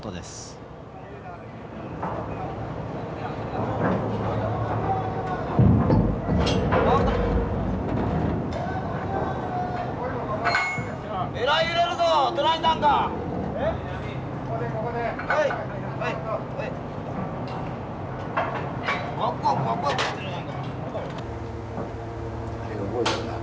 あれ動いてるな。